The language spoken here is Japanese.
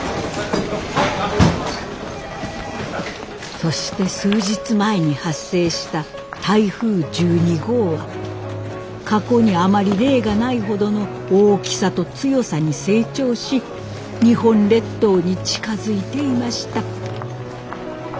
そして数日前に発生した台風１２号は過去にあまり例がないほどの大きさと強さに成長し日本列島に近づいていました。